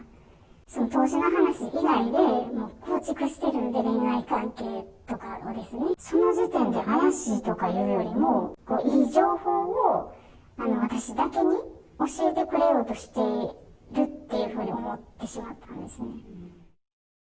その投資の話以外で構築しているんで、恋愛関係をですね、その時点で怪しいとかいうよりも、いい情報を私だけに教えてくれようとしているっていうふうに思ってしまったんですね。